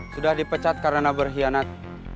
sudah dipecat karena berhianat